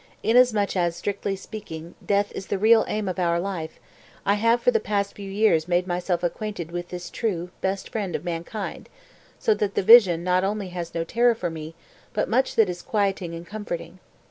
Inasmuch as, strictly speaking, death is the real aim of our life, I have for the past few years made myself acquainted with this true, best friend of mankind, so that the vision not only has no terror for me but much that is quieting and comforting.